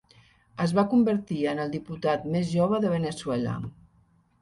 Es va convertir en el diputat més jove de Veneçuela.